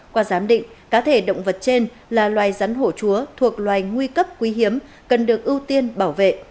qua giám định cá thể động vật trên là loài rắn hổ chúa thuộc loài nguy cấp quý hiếm cần được ưu tiên bảo vệ